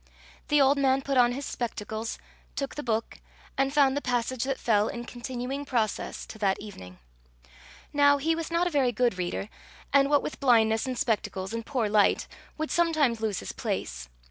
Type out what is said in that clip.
The old man put on his spectacles, took the book, and found the passage that fell, in continuous process, to that evening. Now he was not a very good reader, and, what with blindness and spectacles, and poor light, would sometimes lose his place.